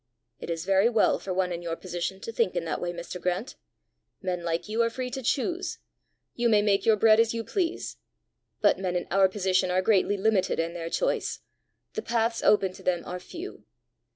"It is very well for one in your position to think in that way, Mr. Grant! Men like you are free to choose; you may make your bread as you please. But men in our position are greatly limited in their choice; the paths open to them are few.